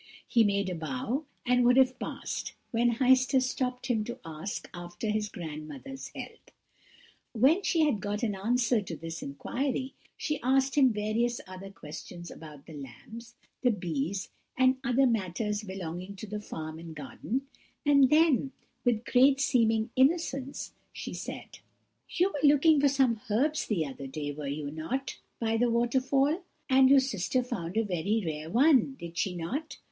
He made a bow, and would have passed, when Heister stopped him to ask after his grandmother's health. When she had got an answer to this inquiry, she asked him various other questions about the lambs, the bees, and other matters belonging to the farm and garden; and then, with great seeming innocence, she said: "'You were looking for some herbs the other day, were you not, by the waterfall, and your sister found a very rare one, did she not?